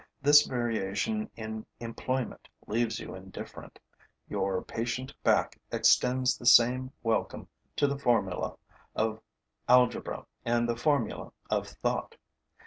This variation in employment leaves you indifferent; your patient back extends the same welcome to the formulae of algebra and the formula of thought.